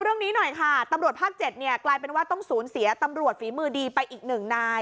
เรื่องนี้หน่อยค่ะตำรวจภาค๗เนี่ยกลายเป็นว่าต้องสูญเสียตำรวจฝีมือดีไปอีกหนึ่งนาย